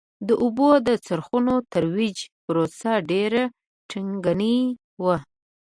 د اوبو څرخونو ترویج پروسه ډېره ټکنۍ وه